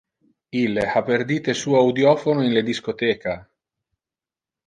Ille ha perdite su audiophono in le discotheca.